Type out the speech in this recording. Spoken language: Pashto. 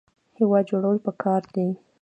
هیواد جوړول پکار دي